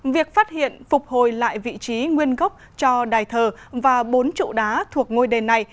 việc phát hiện phục hồi lại vị trí nguyên gốc cho đài thờ và bốn trụ đá thuộc ngôi đền này